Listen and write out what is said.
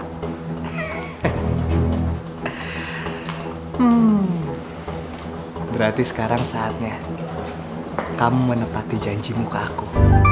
berarti sekarang saatnya kamu menepati janji muka aku